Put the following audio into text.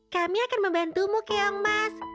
kami akan membantumu keong mas